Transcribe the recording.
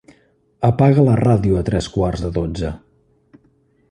Apaga la ràdio a tres quarts de dotze.